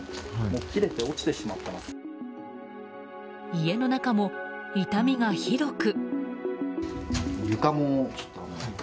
家の中も傷みがひどく。